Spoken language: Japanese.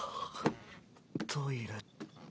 トイレと。